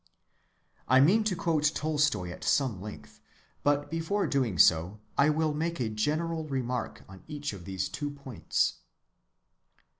I mean to quote Tolstoy at some length; but before doing so, I will make a general remark on each of these two points.